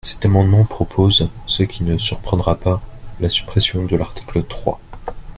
Cet amendement propose, ce qui ne surprendra pas, la suppression de l’article trois.